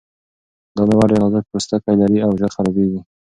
دا مېوه ډېر نازک پوستکی لري او ژر خرابیږي.